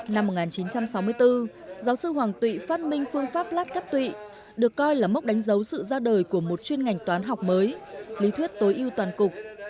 năm một nghìn chín trăm sáu mươi bốn giáo sư hoàng tụy phát minh phương pháp lát cắt tụy được coi là mốc đánh dấu sự ra đời của một chuyên ngành toán học mới lý thuyết tối ưu toàn cục